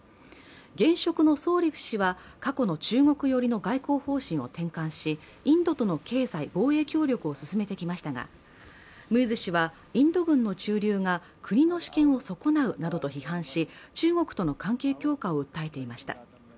現職のソーリフ氏は過去の中国寄りの外交方針を転換しインドとの経済、防衛協力を進めてきましたがムイズ氏はインド軍の駐留が国の主権を損なうなどと批判し、中国との関係強化を訴えていました。